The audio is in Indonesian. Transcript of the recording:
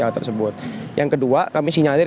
hal tersebut yang kedua kami sinyalir